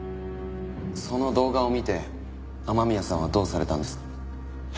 その動画を見て雨宮さんはどうされたんですか？